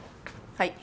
はい。